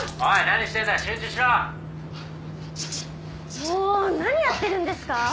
もう何やってるんですか？